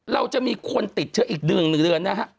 เราจะมีคนติดเชื้ออีกเดือนหนึ่งเดือนนะครับ